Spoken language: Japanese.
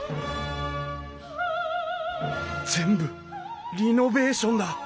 全部リノべーションだ。